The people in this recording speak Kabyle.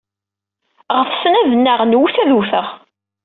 Ɣetsen ad nnaɣen wet, ad wteɣ.